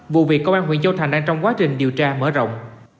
vụ việc công an huyện châu thành đang trong quá trình điều tra mở rộng